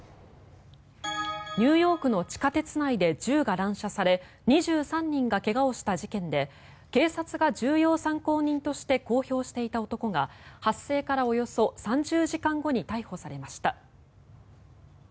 ニューヨークの地下鉄内で銃が乱射され２３人が怪我をした事件で警察が重要参考人として公表していた男が発生からおよそ３０時間後に逮捕されました。